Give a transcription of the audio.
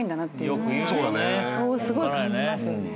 すごい感じますよね。